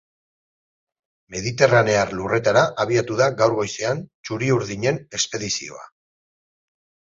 Mediterranear lurretara abiatu da gaur goizean txuri-urdinen expedizioa.